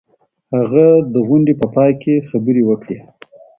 هغه د غونډې په پای کي خبري وکړې.